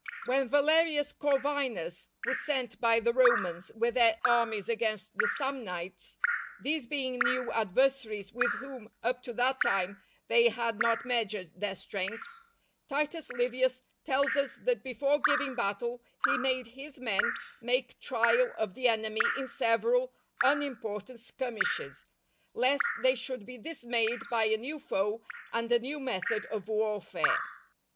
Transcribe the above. When Valerius Corvinus was sent by the Romans with their armies against the Samnites, these being new adversaries with whom up to that time they had not measured their strength, Titus Livius tells us that before giving battle he made his men make trial of the enemy in several unimportant skirmishes, "_lest they should be dismayed by a new foe and a new method of warfare.